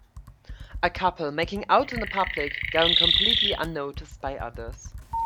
A couple making out in public going completely unnoticed by others.